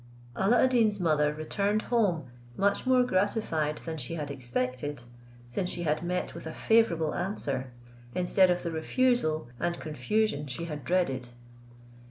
Alla ad Deen's mother returned home much more gratified than she had expected, since she had met with a favourable answer, instead of the refusal and confusion she had dreaded.